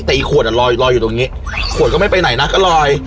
แต่อีกขวดอ่ะลอยอยู่ตรงนี้ขวดก็ไม่ไปไหนนะก็ลอย